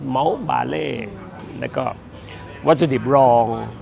เมาส์บาเลแล้วก็วัตถุดิบรอง